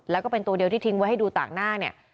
แล้วก็เป็นตัวเดียวที่ทิ้งไว้ให้ดูต่างหน้าเนี่ย